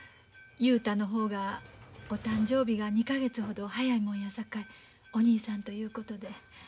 雄太の方がお誕生日が２か月ほど早いもんやさかいお兄さんということで。